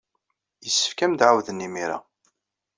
Yessefk ad am-d-ɛawden imir-a.